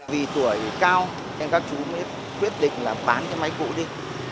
vì tuổi cao nên các chú mới quyết định là bán cái máy cũ đi